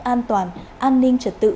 thì mất an toàn an ninh trật tự